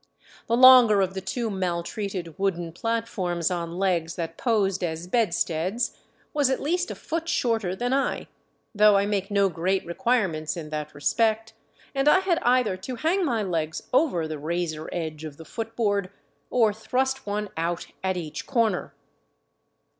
The longer of the two maltreated wooden platforms on legs that posed as bedsteads was at least a foot shorter than I, though I make no great requirements in that respect, and I had either to hang my legs over the razor edge of the f ootboard, or thrust one out at each corner.